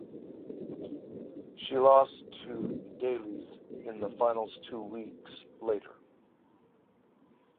She lost to Dalys in the finals two weeks later.